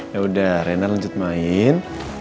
yaudah reina lanjut main